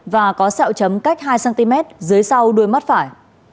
và có sẹo chấm cách hai cm dưới sau đuôi mắt phải